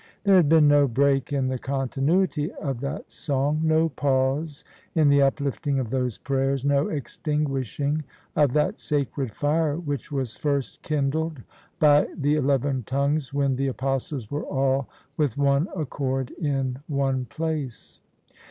There had been no break in the continuity of that song; no pause in the uplifting of those prayers ; no extinguishing of that sacred fire which was first kindled by the eleven tongues when the Apostles were all with one accord in one place.